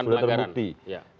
terbukti melaksanakan pelagaran